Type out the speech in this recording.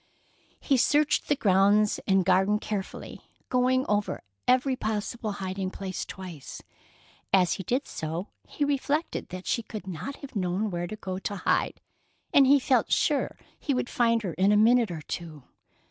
He searched the grounds and garden carefully, going over every possible hiding place twice. As he did so, he reflected that she could not have known where to go to hide, and he felt sure he would find her in a minute or two.